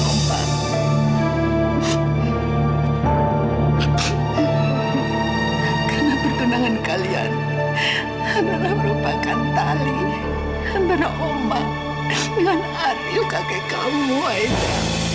karena bertundangan kalian adalah merupakan tali antara oma dengan arief kakek kamu aida